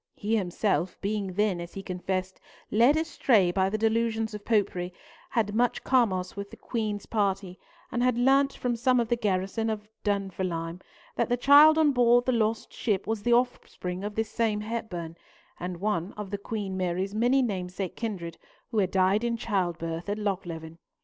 He himself, being then, as he confessed, led astray by the delusions of Popery, had much commerce with the Queen's party, and had learnt from some of the garrison of Dunfermline that the child on board the lost ship was the offspring of this same Hepburn, and of one of Queen Mary's many namesake kindred, who had died in childbirth at Lochleven.